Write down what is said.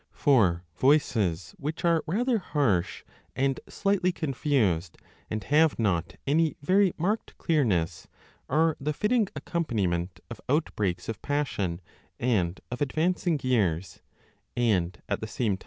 5 For voices which are rather harsh and slightly confused and have not any very marked clearness are the fitting accompaniment of outbreaks of passion and of advanc ing years, and at the same time, owing to their intensity, 5 1 8oi b 2i.